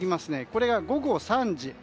これが午後３時。